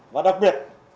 và đặc biệt